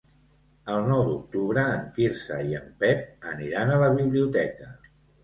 El nou d'octubre en Quirze i en Pep aniran a la biblioteca.